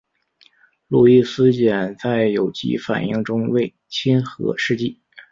路易斯碱在有机反应中为亲核试剂。